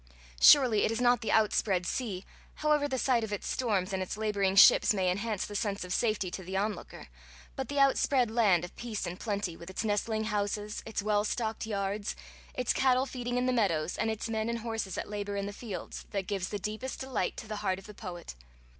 Surely it is not the outspread sea, however the sight of its storms and its labouring ships may enhance the sense of safety to the onlooker, but the outspread land of peace and plenty, with its nestling houses, its well stocked yards, its cattle feeding in the meadows, and its men and horses at labour in the fields, that gives the deepest delight to the heart of the poet!